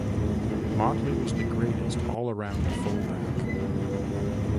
Motley was the greatest all-around fullback.